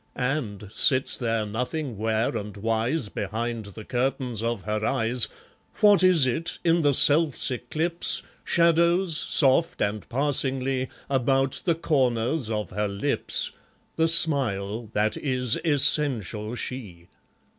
And, sits there nothing ware and wise Behind the curtains of her eyes, What is it, in the self's eclipse, Shadows, soft and passingly, About the corners of her lips, The smile that is essential she?